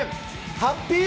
ハッピー。